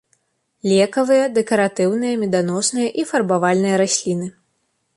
Лекавыя, дэкаратыўныя, меданосныя і фарбавальныя расліны.